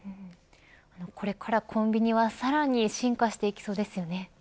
これからコンビニはさらに進化していきそうですね。